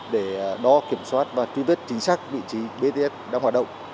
để đo kiểm soát và truy vết chính xác vị trí bế đất đang hoạt động